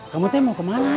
kamu tuh mau kemana